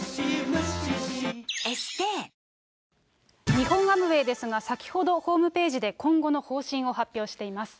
日本アムウェイですが、先ほどホームページで今後の方針を発表しています。